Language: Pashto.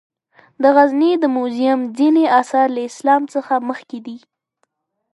د غزني د موزیم ځینې آثار له اسلام څخه مخکې دي.